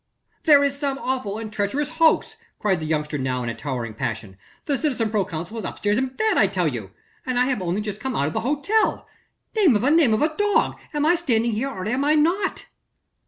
"This is some awful and treacherous hoax," cried the youngster now in a towering passion; "the citizen proconsul is upstairs in bed, I tell you ... and I have only just come out of the hotel ...! Name of a name of a dog! am I standing here or am I not?"